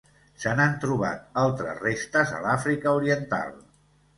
Se n'han trobat altres restes a l'Àfrica oriental.